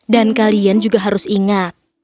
dan kalian juga harus ingat